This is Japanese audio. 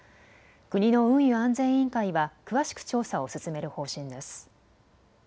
国の運輸安全委員会は詳しく調査を進める方針です。